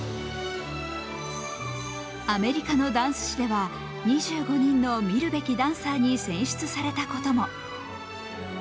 アメリカのダンス誌では２５人の観るべきダンサーに選出されたことも。